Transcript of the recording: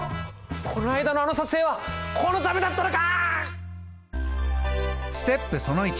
この間のあの撮影はこのためだったのか！